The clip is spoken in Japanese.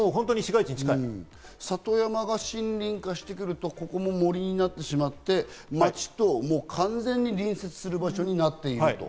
里山が森林化してくると、ここも森になってしまって、街と完全に隣接する場所になっていると。